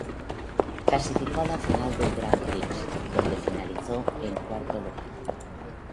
Clasificó a la Final del Grand Prix, donde finalizó en cuarto lugar.